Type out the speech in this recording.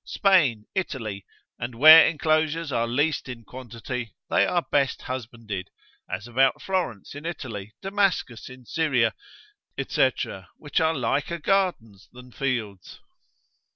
Spain, Italy; and where enclosures are least in quantity, they are best husbanded, as about Florence in Italy, Damascus in Syria, &c. which are liker gardens than fields.